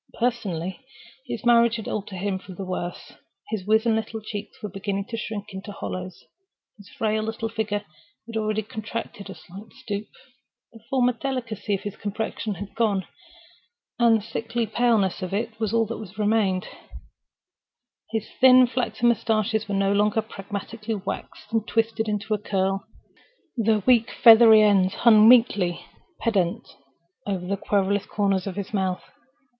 Personally, his marriage had altered him for the worse. His wizen little cheeks were beginning to shrink into hollows, his frail little figure had already contracted a slight stoop. The former delicacy of his complexion had gone—the sickly paleness of it was all that remained. His thin flaxen mustaches were no longer pragmatically waxed and twisted into a curl: their weak feathery ends hung meekly pendent over the querulous corners of his mouth.